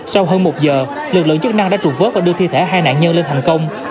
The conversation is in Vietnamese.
sau hơn một giờ lực lượng chức năng đã trục vớt và đưa thi thể hai nạn nhân lên thành công